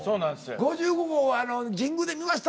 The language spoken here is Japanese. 「５５号神宮で観ました」